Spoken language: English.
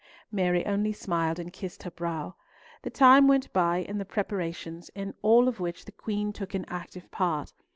Mary only smiled and kissed her brow. The time went by in the preparations, in all of which the Queen took an active part.